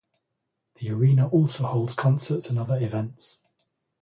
The arena also holds concerts and other events.